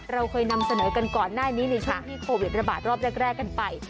เราเคยนำเสนอกันก่อนหน้านี้ในช่วงที่โควิดระบาดรอบแรกกันไป